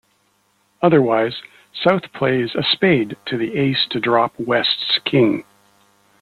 Otherwise, South plays a spade to the Ace to drop West's King.